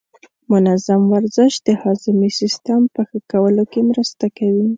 منظم ورزش د هاضمې سیستم په ښه کولو کې مرسته کوي.